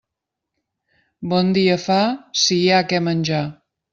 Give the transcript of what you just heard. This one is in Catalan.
Bon dia fa si hi ha què menjar.